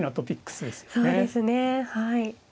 そうですねはい。